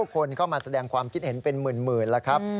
คนเข้ามาแสดงความคิดเห็นเป็นหมื่นแล้วครับ